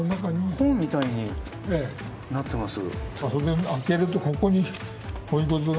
本みたいになっています。